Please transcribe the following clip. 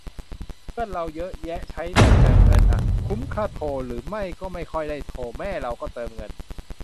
เพื่อนเราเยอะแยะใช้แบบเติมเงินอ่ะ คุมค่าโทร หรือไม่ก็ไม่ค่อยได้โทร แม่เราก็เติมเงิน